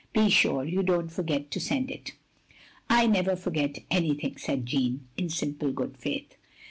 Be sure you don't forget to send it. " "I never foi^et anjrthing," said Jeanne, in simple good faith.